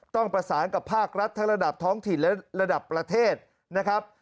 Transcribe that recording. ต้องประสานกับภาครัฐทั้งระดับท้องถิ่นและระดับประเทศนะครับ